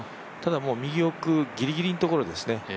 ただ右奥、ギリギリのところですね